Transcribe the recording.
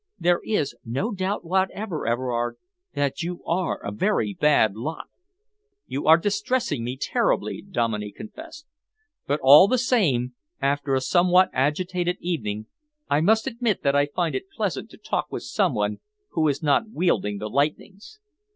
There is no doubt whatever, Everard, that you are a very bad lot." "You are distressing me terribly," Dominey confessed, "but all the same, after a somewhat agitated evening I must admit that I find it pleasant to talk with some one who is not wielding the lightnings.